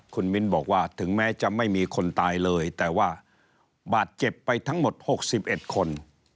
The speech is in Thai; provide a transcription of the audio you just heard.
คุณมิ้นบอกว่าถึงแม้จะไม่มีคนตายเลยแต่ว่าบาดเจ็บไปทั้งหมด๖๑คน